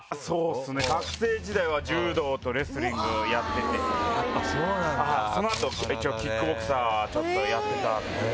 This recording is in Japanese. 学生時代は柔道とレスリングやっててそのあとキックボクサーちょっとやってた。